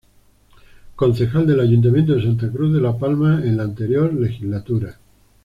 Concejal del Ayuntamiento de Santa Cruz de La Palma en la anterior Legislatura.